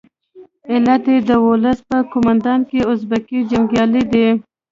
علت یې د ولس په قومانده کې اربکي جنګیالي دي.